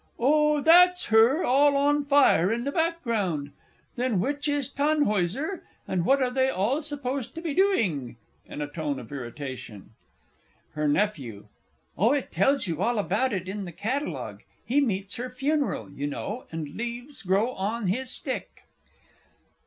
Oh, that's her all on fire in the background. Then which is Tannhäuser, and what are they all supposed to be doing? [In a tone of irritation. HER NEPHEW. Oh, it tells you all about it in the Catalogue he meets her funeral, you know, and leaves grow on his stick.